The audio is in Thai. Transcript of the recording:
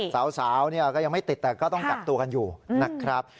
สาวก็ยังไม่ติดแต่ก็ต้องกักตัวกันอยู่นะครับ